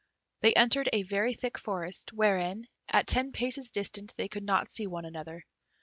They entered a very thick forest, wherein, at ten paces distant, they could not see one another.